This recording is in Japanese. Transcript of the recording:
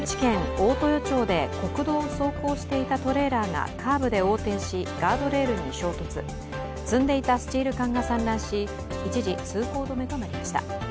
大豊町で国道を走行していたトレーラーがカーブで横転しガードレールに衝突詰んでいたスチール缶が散乱し一時、通行止めとなりました。